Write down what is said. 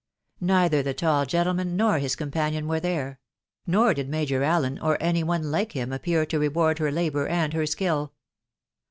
Neither the tall gentleman nor his com. panion were there ; nor did Major Allen, or any one like him, appear to reward her labour and her skill.